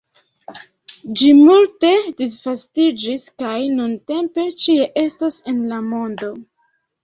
Ĝi multe disvastiĝis kaj nuntempe ĉie estas en la mondo.